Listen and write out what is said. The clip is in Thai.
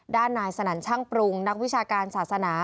ด้านนายสนั่นช่างปรุงนักวิชาการศาสนา